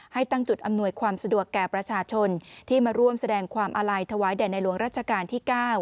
ตั้งจุดอำนวยความสะดวกแก่ประชาชนที่มาร่วมแสดงความอาลัยถวายแด่ในหลวงราชการที่๙